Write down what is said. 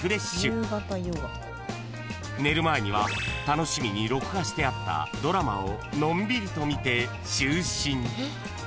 ［寝る前には楽しみに録画してあったドラマをのんびりと見て就寝］